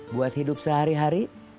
buat hidup sehari hari